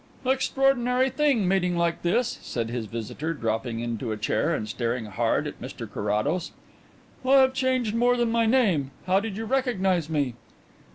"Extraordinary thing meeting like this," said his visitor, dropping into a chair and staring hard at Mr Carrados. "I have changed more than my name. How did you recognize me?"